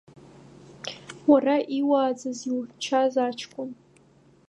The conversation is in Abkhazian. Уара иуааӡаз, иухьчаз аҷкәын…